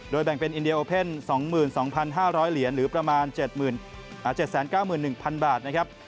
แบ่งเป็นอินดีโอเพ่น๒๒๕๐๐เหรียญหรือประมาณ๗๙๑๐๐๐บาทนะครับ